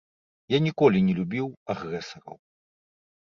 Я ніколі не любіў агрэсараў.